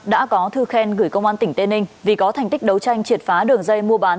đã có thư khen gửi công an tỉnh tây ninh vì có thành tích đấu tranh triệt phá đường dây mua bán